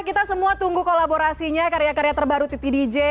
kita semua tunggu kolaborasinya karya karya terbaru titi dj